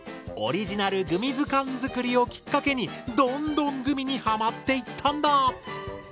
オリジナル「グミ図鑑」作りをきっかけにどんどんグミにハマっていったんだ。